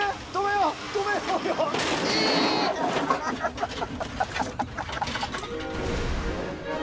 ハハハハ。